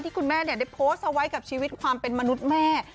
คุณแม่ได้โพสต์เอาไว้กับชีวิตความเป็นมนุษย์แม่